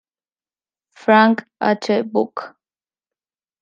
Frank H. Buck".